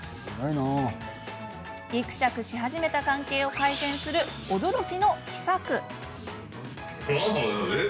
ぎくしゃくし始めた関係を改善する驚きの秘策。